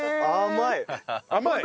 甘い！